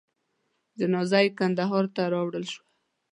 جنازه یې کندهار ته راوړل شوه.